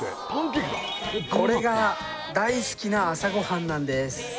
これが大好きな朝ごはんなんです